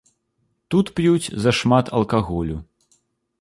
Тут п'юць зашмат алкаголю.